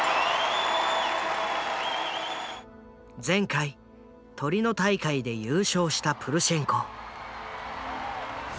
前回トリノ大会で優勝したプルシェンコ。